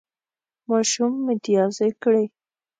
ماشوم متیازې کړې